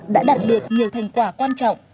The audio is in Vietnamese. đã đạt được nhiều thành quả quan trọng